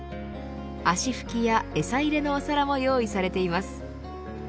足拭きや、餌入れのお皿も用意されています。